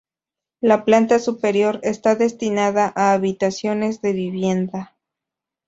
La planta superior está destinada a habitaciones de vivienda.